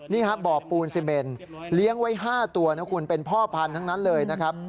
นี่ครับบ่อปูนซีเมนเลี้ยงไว้๕ตัวนะคุณเป็นพ่อพันธุ์ทั้งนั้นเลยนะครับ